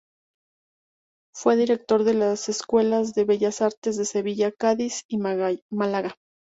Fue director de las Escuelas de Bellas Artes de Sevilla, Cádiz y Málaga.